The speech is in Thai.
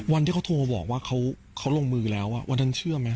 วันที่เขาโทรมาบอกว่าเขาลงมือแล้ววันนั้นเชื่อไหม